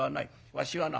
わしはな